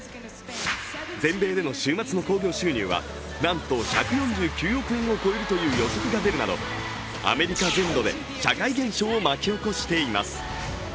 全米での週末の興行収入はなんと１４９億円を超えるという予測が出るなどアメリカ全土で社会現象を巻き起こしています